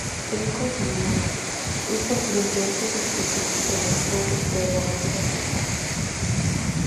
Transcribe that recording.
El concilio hizo frente a estas expresiones prematuras de prerrogativa papal.